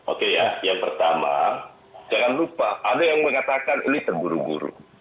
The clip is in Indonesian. oke ya yang pertama jangan lupa ada yang mengatakan ini terburu buru